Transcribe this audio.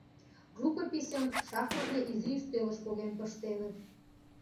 Рукописьым шахматный изи ӱстелыш поген пыштеныт.